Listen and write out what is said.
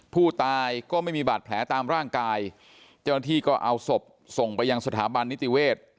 ผู้ตายก็ไม่มีบาดแผลตามร่างกายเจ้าหน้าที่ก็เอาศพส่งไปยังสถาบันนิติเวศ